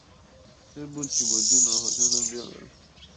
對不起我電腦好像當掉了